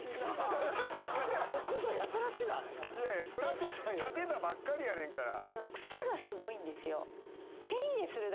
いやいやそれ建てたばっかりやねんから。